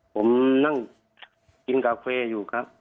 ผมนั่งกินกาแฟอยู่ครับ